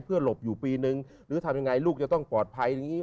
เพื่อหลบอยู่ปีนึงหรือทำยังไงลูกจะต้องปลอดภัย